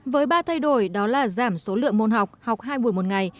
với ba thay đổi đó là giảm số lượng môn học học hai buổi một ngày